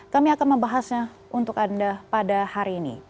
kami akan membahasnya untuk anda pada hari ini